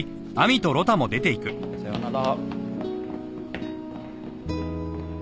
さよなら。